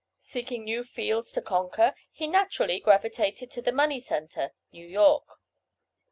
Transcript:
Seeking new fields to conquer, he naturally gravitated to the money centre, New York.